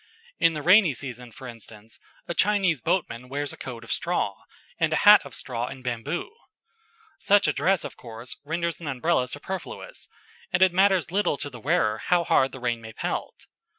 In the rainy season, for instance, a Chinese boatman wears a coat of straw, and a hat of straw and bamboo. Such a dress, of course, renders an Umbrella superfluous, and it matters little to the wearer how hard the rain may pelt.